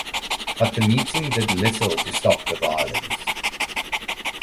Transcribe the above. But the meeting did little to stop the violence.